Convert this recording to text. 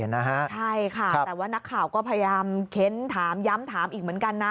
ใช่ค่ะแต่ว่านักข่าวก็พยายามเค้นถามย้ำถามอีกเหมือนกันนะ